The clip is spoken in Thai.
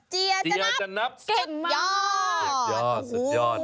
เจียร์จันทรัพย์สุดยอด